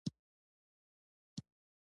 زه موبایل کې د سبق ویډیوګانې لرم.